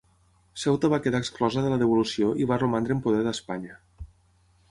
Ceuta va quedar exclosa de la devolució i va romandre en poder d'Espanya.